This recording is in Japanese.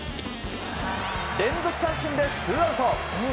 連続三振でツーアウト。